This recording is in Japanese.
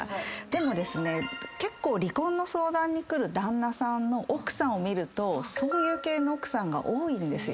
でも結構離婚の相談に来る旦那さんの奥さんを見るとそういう系の奥さんが多いんです。